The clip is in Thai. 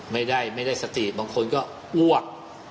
ไม่ได้สติบางคนก็อ้วก